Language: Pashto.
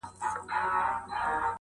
o پردى کټ تر نيمو شپو وي٫